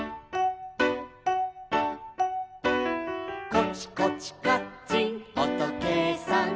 「コチコチカッチンおとけいさん」